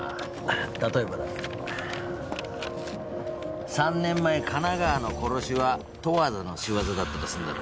例えばだ３年前神奈川の殺しは十和田の仕業だったとすんだろ